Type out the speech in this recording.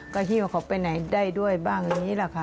ก็หิ้วเขาไปไหนได้ด้วยบ้างอย่างนี้แหละค่ะ